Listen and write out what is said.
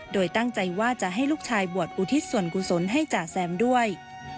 โดยตั้งใจว่าจะให้ลูกชายบวชอุทิศส่วนกุศลให้จ่าแซมด้วย